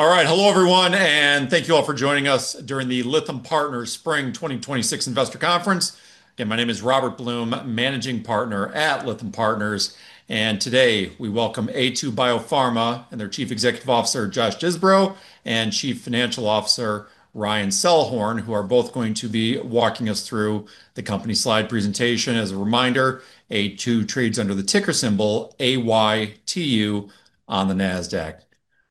All right. Hello everyone, and thank you all for joining us during the Lytham Partners Spring 2026 Investor Conference. Again, my name is Robert Blum, Managing Partner at Lytham Partners, and today we welcome Aytu BioPharma and their Chief Executive Officer, Josh Disbrow, and Chief Financial Officer, Ryan Selhorn, who are both going to be walking us through the company slide presentation. As a reminder, Aytu trades under the ticker symbol AYTU on the Nasdaq.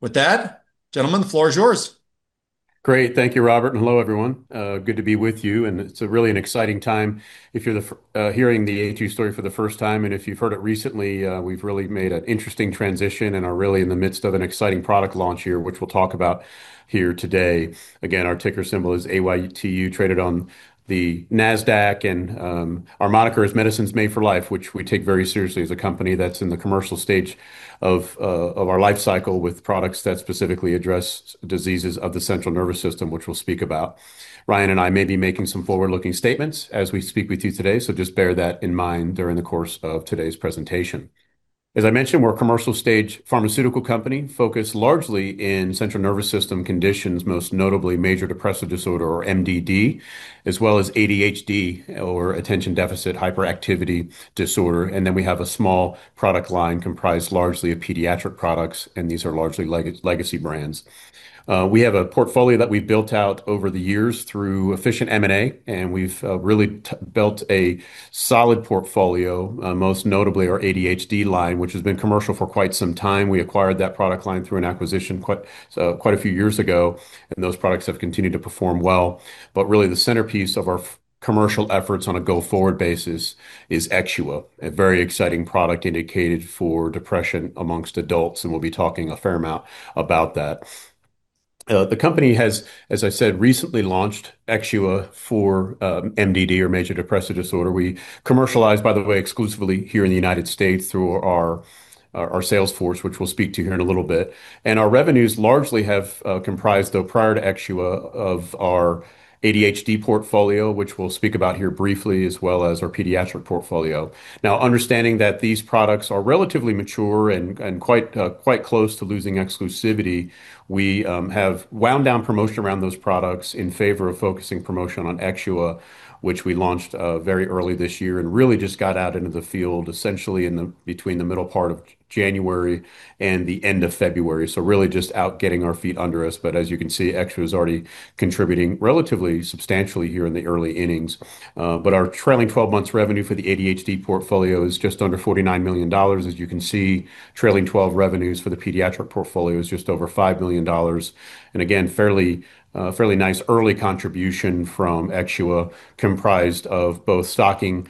With that, gentlemen, the floor is yours. Great. Thank you, Robert. Hello everyone. Good to be with you. It's really an exciting time. If you're hearing the Aytu story for the first time, if you've heard it recently, we've really made an interesting transition, are really in the midst of an exciting product launch here, which we'll talk about here today. Again, our ticker symbol is AYTU, traded on the Nasdaq. Our moniker is Medicines Made for Life, which we take very seriously as a company that's in the commercial stage of our life cycle with products that specifically address diseases of the central nervous system, which we'll speak about. Ryan and I may be making some forward-looking statements as we speak with you today. Just bear that in mind during the course of today's presentation. As I mentioned, we are a commercial stage pharmaceutical company focused largely in central nervous system conditions, most notably major depressive disorder, or MDD, as well as ADHD, or attention-deficit hyperactivity disorder. We have a small product line comprised largely of pediatric products, and these are largely legacy brands. We have a portfolio that we've built out over the years through efficient M&A. We've really built a solid portfolio, most notably our ADHD line, which has been commercial for quite some time. We acquired that product line through an acquisition quite a few years ago. Those products have continued to perform well. Really the centerpiece of our commercial efforts on a go-forward basis is EXXUA, a very exciting product indicated for depression amongst adults. We'll be talking a fair amount about that. The company has, as I said, recently launched EXXUA for MDD or major depressive disorder. We commercialize, by the way, exclusively here in the United States through our sales force, which we'll speak to here in a little bit. Our revenues largely have comprised, though, prior to EXXUA, of our ADHD portfolio, which we'll speak about here briefly, as well as our pediatric portfolio. Understanding that these products are relatively mature and quite close to losing exclusivity, we have wound down promotion around those products in favor of focusing promotion on EXXUA, which we launched very early this year and really just got out into the field essentially between the middle part of January and the end of February. Really just out getting our feet under us. As you can see, EXXUA is already contributing relatively substantially here in the early innings. Our trailing 12 months revenue for the ADHD portfolio is just under $49 million. As you can see, trailing 12 revenues for the pediatric portfolio is just over $5 million. Again, fairly nice early contribution from EXXUA, comprised of both stocking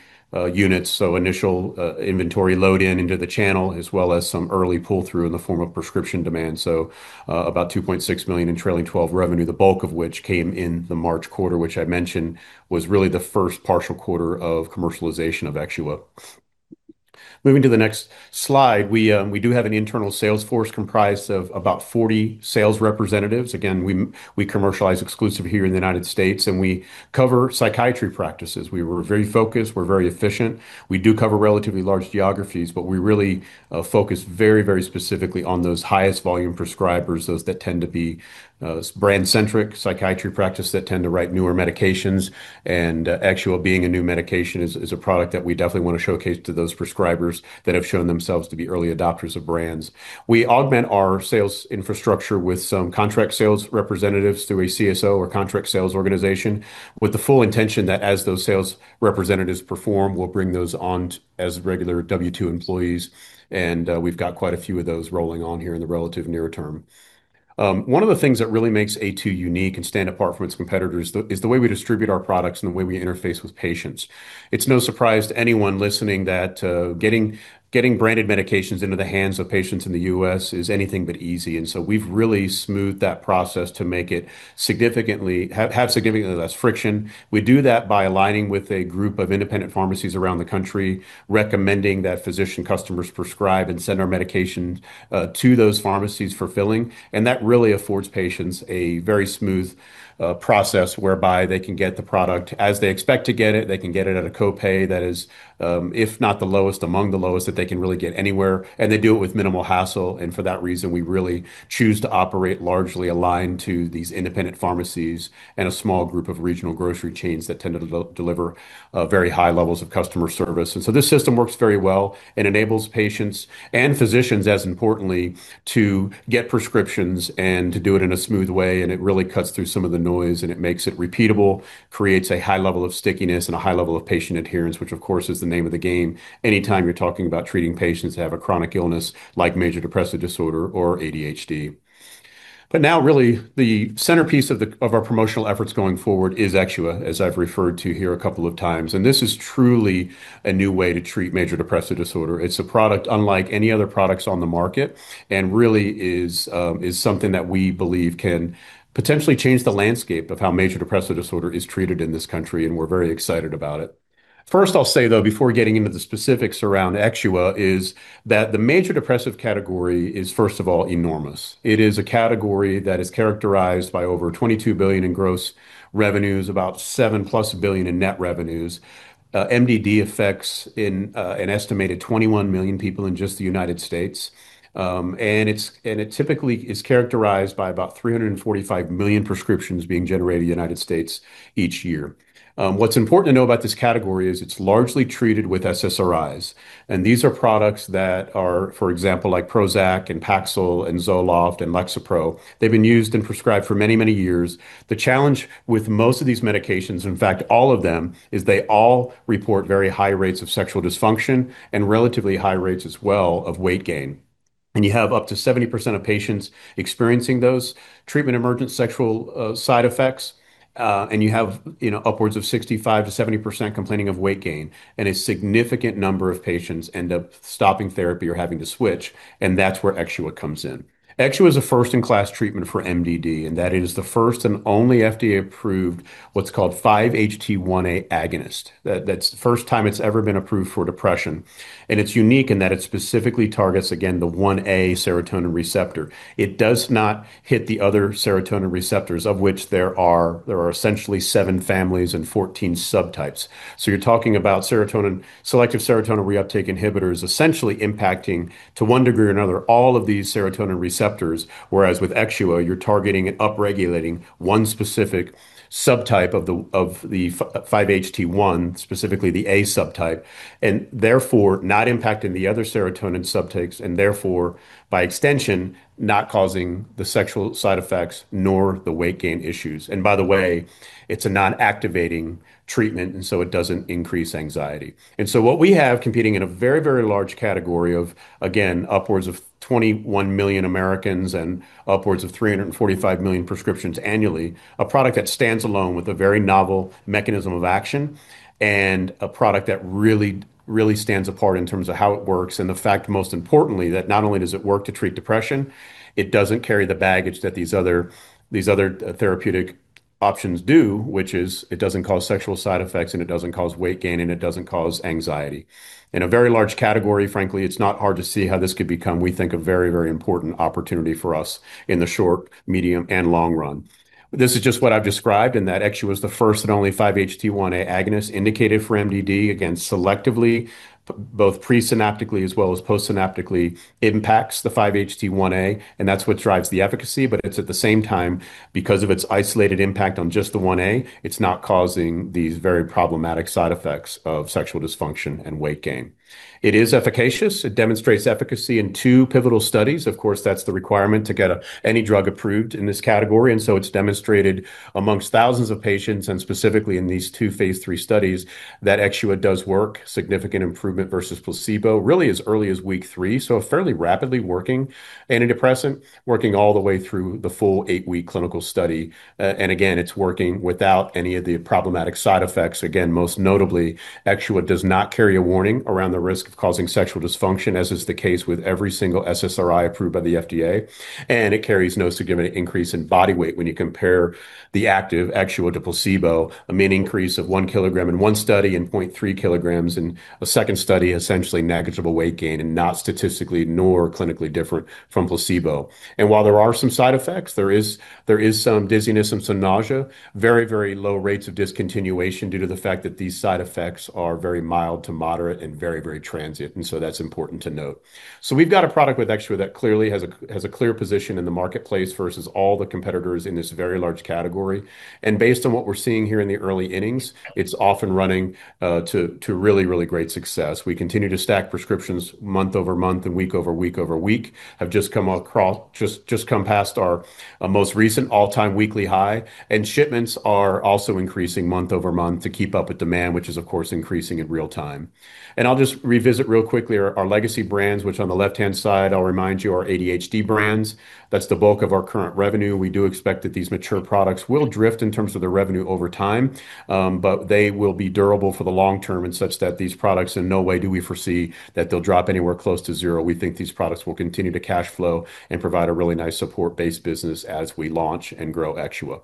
units, so initial inventory load-in into the channel, as well as some early pull-through in the form of prescription demand, so about $2.6 million in trailing 12 revenue, the bulk of which came in the March quarter, which I mentioned was really the first partial quarter of commercialization of EXXUA. Moving to the next slide, we do have an internal sales force comprised of about 40 sales representatives. Again, we commercialize exclusive here in the U.S., we cover psychiatry practices. We're very focused, we're very efficient. We do cover relatively large geographies, but we really focus very specifically on those highest volume prescribers, those that tend to be brand-centric psychiatry practice that tend to write newer medications. EXXUA being a new medication is a product that we definitely want to showcase to those prescribers that have shown themselves to be early adopters of brands. We augment our sales infrastructure with some contract sales representatives through a CSO or contract sales organization with the full intention that as those sales representatives perform, we'll bring those on as regular W-2 employees, and we've got quite a few of those rolling on here in the relative near term. One of the things that really makes Aytu unique and stand apart from its competitors is the way we distribute our products and the way we interface with patients. It's no surprise to anyone listening that getting branded medications into the hands of patients in the U.S. is anything but easy. We've really smoothed that process to have significantly less friction. We do that by aligning with a group of independent pharmacies around the country, recommending that physician customers prescribe and send our medication to those pharmacies for filling. That really affords patients a very smooth process whereby they can get the product as they expect to get it. They can get it at a copay that is, if not the lowest, among the lowest that they can really get anywhere, and they do it with minimal hassle. For that reason, we really choose to operate largely aligned to these independent pharmacies and a small group of regional grocery chains that tend to deliver very high levels of customer service. This system works very well and enables patients and physicians, as importantly, to get prescriptions and to do it in a smooth way, and it really cuts through some of the noise and it makes it repeatable, creates a high level of stickiness and a high level of patient adherence, which of course is the name of the game anytime you're talking about treating patients that have a chronic illness like major depressive disorder or ADHD. Really the centerpiece of our promotional efforts going forward is EXXUA, as I've referred to here a couple of times, and this is truly a new way to treat major depressive disorder. It's a product unlike any other products on the market and really is something that we believe can potentially change the landscape of how major depressive disorder is treated in this country, and we're very excited about it. First, I'll say, though, before getting into the specifics around EXXUA, is that the major depressive category is, first of all, enormous. It is a category that is characterized by over $22 billion in gross revenues, about $7+ billion in net revenues. MDD affects an estimated 21 million people in just the United States. It typically is characterized by about 345 million prescriptions being generated in the United States each year. What's important to know about this category is it's largely treated with SSRIs, and these are products that are, for example, like Prozac and Paxil and Zoloft and Lexapro. They've been used and prescribed for many years. The challenge with most of these medications, in fact, all of them, is they all report very high rates of sexual dysfunction and relatively high rates as well of weight gain. You have up to 70% of patients experiencing those treatment emergent sexual side effects. You have upwards of 65%-70% complaining of weight gain, and a significant number of patients end up stopping therapy or having to switch, and that's where EXXUA comes in. EXXUA is a first-in-class treatment for MDD, and that is the first and only FDA-approved, what's called 5-HT1A agonist. That's the first time it's ever been approved for depression. It's unique in that it specifically targets, again, the 1A serotonin receptor. It does not hit the other serotonin receptors, of which there are essentially seven families and 14 subtypes. You're talking about selective serotonin reuptake inhibitors essentially impacting, to one degree or another, all of these serotonin receptors, whereas with EXXUA, you're targeting and upregulating one specific subtype of the 5-HT1, specifically the A subtype, and therefore not impacting the other serotonin subtypes, and therefore, by extension, not causing the sexual side effects nor the weight gain issues. By the way, it's a non-activating treatment, so it doesn't increase anxiety. What we have competing in a very, very large category of, again, upwards of 21 million Americans and upwards of 345 million prescriptions annually, a product that stands alone with a very novel mechanism of action, and a product that really stands apart in terms of how it works, and the fact, most importantly, that not only does it work to treat depression, it doesn't carry the baggage that these other therapeutic options do, which is it doesn't cause sexual side effects, and it doesn't cause weight gain, and it doesn't cause anxiety. In a very large category, frankly, it's not hard to see how this could become, we think, a very, very important opportunity for us in the short, medium, and long run. This is just what I've described in that EXXUA is the first and only 5-HT1A agonist indicated for MDD, again, selectively, both presynaptically as well as postsynaptically impacts the 5-HT1A, and that's what drives the efficacy. It's at the same time, because of its isolated impact on just the 1A, it's not causing these very problematic side effects of sexual dysfunction and weight gain. It is efficacious. It demonstrates efficacy in two pivotal studies. Of course, that's the requirement to get any drug approved in this category. It's demonstrated amongst thousands of patients, and specifically in these two phase III studies, that EXXUA does work. Significant improvement versus placebo, really as early as week three, so a fairly rapidly working antidepressant, working all the way through the full eight-week clinical study. Again, it's working without any of the problematic side effects. Most notably, EXXUA does not carry a warning around the risk of causing sexual dysfunction, as is the case with every single SSRI approved by the FDA. It carries no significant increase in body weight when you compare the active EXXUA to placebo, a mean increase of 1 kg in one study and 0.3 kg in a second study, essentially negligible weight gain and not statistically nor clinically different from placebo. While there are some side effects, there is some dizziness and some nausea, very, very low rates of discontinuation due to the fact that these side effects are very mild to moderate and very, very transient. That's important to note. We've got a product with EXXUA that clearly has a clear position in the marketplace versus all the competitors in this very large category. Based on what we're seeing here in the early innings, it's off and running to really, really great success. We continue to stack prescriptions month-over-month and week-over-week-over-week, have just come past our most recent all-time weekly high. Shipments are also increasing month-over-month to keep up with demand, which is, of course, increasing in real time. I'll just revisit real quickly our legacy brands, which on the left-hand side, I'll remind you, are ADHD brands. That's the bulk of our current revenue. We do expect that these mature products will drift in terms of their revenue over time, but they will be durable for the long term in such that these products, in no way do we foresee that they'll drop anywhere close to zero. We think these products will continue to cash flow and provide a really nice support-based business as we launch and grow EXXUA.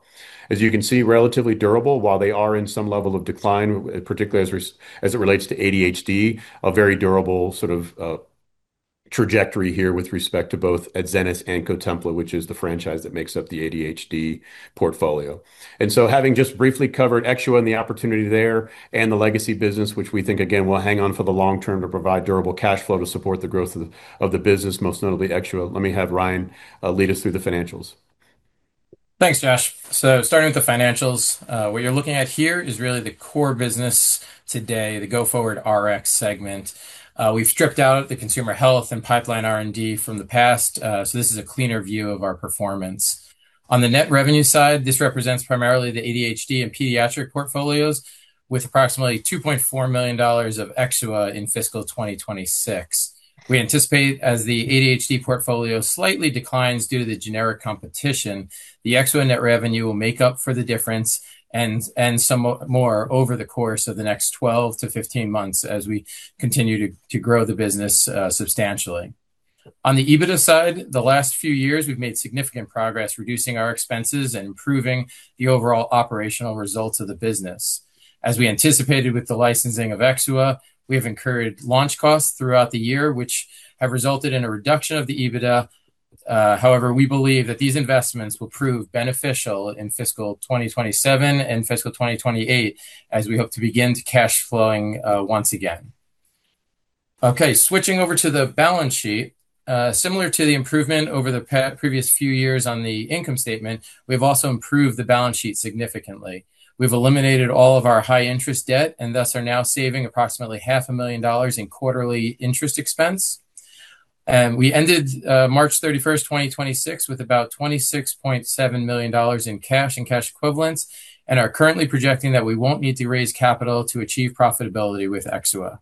As you can see, relatively durable. While they are in some level of decline, particularly as it relates to ADHD, a very durable sort of trajectory here with respect to both Adzenys and Cotempla, which is the franchise that makes up the ADHD portfolio. Having just briefly covered EXXUA and the opportunity there, and the legacy business, which we think, again, will hang on for the long term to provide durable cash flow to support the growth of the business, most notably EXXUA, let me have Ryan lead us through the financials. Thanks, Josh. Starting with the financials, what you're looking at here is really the core business today, the go-forward Rx segment. We've stripped out the consumer health and pipeline R&D from the past, so this is a cleaner view of our performance. On the net revenue side, this represents primarily the ADHD and pediatric portfolios, with approximately $2.4 million of EXXUA in fiscal 2026. We anticipate as the ADHD portfolio slightly declines due to the generic competition, the EXXUA net revenue will make up for the difference and some more over the course of the next 12 to 15 months as we continue to grow the business substantially. On the EBITDA side, the last few years, we've made significant progress reducing our expenses and improving the overall operational results of the business. As we anticipated with the licensing of EXXUA, we have incurred launch costs throughout the year, which have resulted in a reduction of the EBITDA. We believe that these investments will prove beneficial in fiscal 2027 and fiscal 2028 as we hope to begin to cash flowing once again. Switching over to the balance sheet. Similar to the improvement over the previous few years on the income statement, we've also improved the balance sheet significantly. We've eliminated all of our high-interest debt, and thus are now saving approximately half a million dollars in quarterly interest expense. We ended March 31st, 2026, with about $26.7 million in cash and cash equivalents and are currently projecting that we won't need to raise capital to achieve profitability with EXXUA.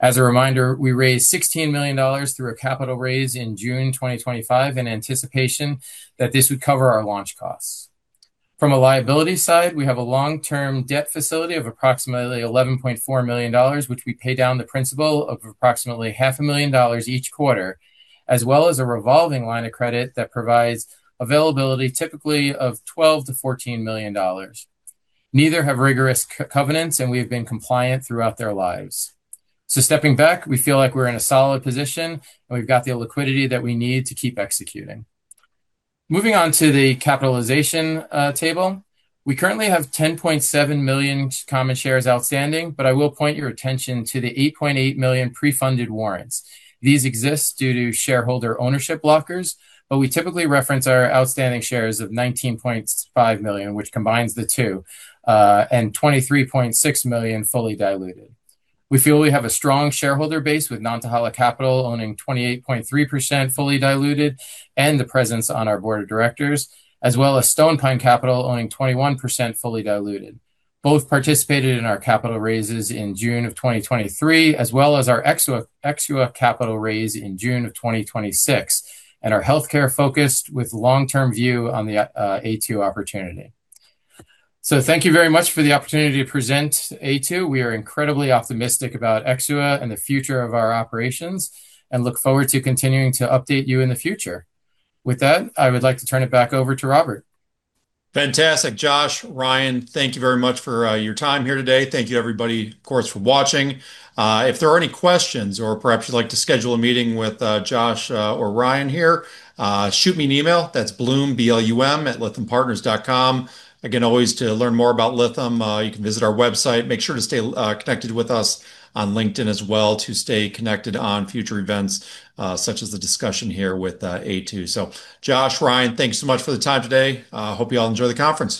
As a reminder, we raised $16 million through a capital raise in June 2025 in anticipation that this would cover our launch costs. From a liability side, we have a long-term debt facility of approximately $11.4 million, which we pay down the principal of approximately half a million dollars each quarter, as well as a revolving line of credit that provides availability typically of $12 million-$14 million. Neither have rigorous covenants. We have been compliant throughout their lives. Stepping back, we feel like we're in a solid position. We've got the liquidity that we need to keep executing. Moving on to the capitalization table. We currently have 10.7 million common shares outstanding. I will point your attention to the 8.8 million pre-funded warrants. These exist due to shareholder ownership blockers, we typically reference our outstanding shares of 19.5 million, which combines the two, and 23.6 million fully diluted. We feel we have a strong shareholder base with Nantahala Capital owning 28.3% fully diluted and the presence on our board of directors, as well as Stonepine Capital owning 21% fully diluted. Both participated in our capital raises in June of 2023, as well as our EXXUA capital raise in June of 2026, and are healthcare focused with long-term view on the Aytu opportunity. Thank you very much for the opportunity to present Aytu. We are incredibly optimistic about EXXUA and the future of our operations and look forward to continuing to update you in the future. With that, I would like to turn it back over to Robert. Fantastic, Josh, Ryan, thank you very much for your time here today. Thank you, everybody, of course, for watching. If there are any questions or perhaps you'd like to schedule a meeting with Josh or Ryan here, shoot me an email. That's Blum, B-L-U-M, @lythampartners.com. Again, always to learn more about Lytham, you can visit our website. Make sure to stay connected with us on LinkedIn as well to stay connected on future events, such as the discussion here with Aytu. Josh, Ryan, thanks so much for the time today. Hope you all enjoy the conference.